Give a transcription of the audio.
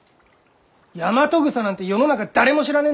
ヤマトグサなんて世の中誰も知らねえんだよ！